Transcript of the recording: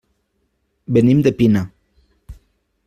Venim de Pina.